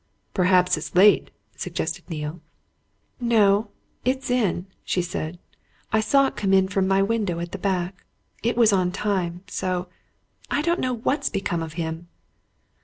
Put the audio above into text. "Perhaps it's late," suggested Neale. "No it's in," she said. "I saw it come in from my window, at the back. It was on time. So I don't know what's become of him."